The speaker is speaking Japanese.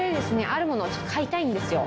あるものを買いたいんですよ。